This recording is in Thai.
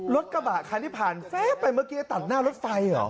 รถกระบะคันที่ผ่านแฟ๊บไปเมื่อกี้ตัดหน้ารถไฟเหรอ